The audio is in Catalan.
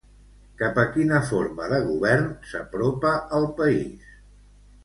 Cap a quina forma de govern s'apropa el país?